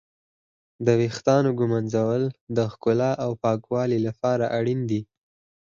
د ويښتانو ږمنځول د ښکلا او پاکوالي لپاره اړين دي.